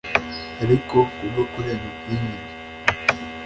ariko ku bwo kurengera ubwiyunge